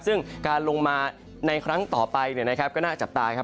ซึ่งการลงมาในครั้งต่อไปก็น่าจับตาครับ